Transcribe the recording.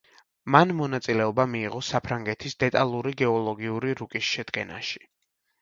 მან მონაწილეობა მიიღო საფრანგეთის დეტალური გეოლოგიური რუკის შედგენაში.